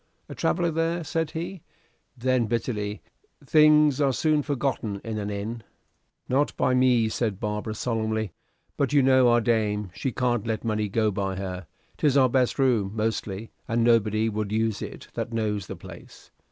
"A traveller there!" said he. Then, bitterly, "Things are soon forgotten in an inn." "Not by me," said Barbara solemnly. "But you know our dame, she can't let money go by her. 'Tis our best room, mostly, and nobody would use it that knows the place.